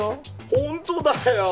本当だよ！